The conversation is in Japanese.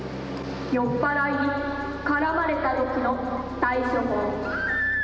酔っ払いに絡まれたときの対処法。